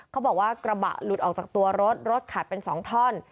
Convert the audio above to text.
เขาบอกว่ากระบะหลุดออกจากตัวรถรถขาดเป็น๒ท่อน